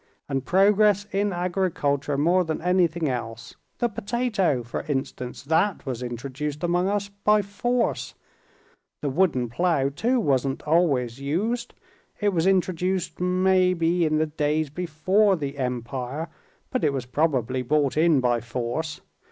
And progress in agriculture more than anything else—the potato, for instance, that was introduced among us by force. The wooden plough too wasn't always used. It was introduced maybe in the days before the Empire, but it was probably brought in by force.